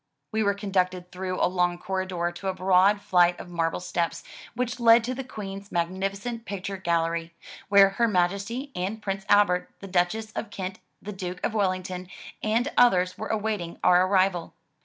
We were conducted through a long corridor to a broad flight of marble steps, which led to the Queen's magnificent picture gallery, where Her Majesty and Prince Albert, the Duchess of Kent, the Duke of Wellington and others were awaiting our arrival.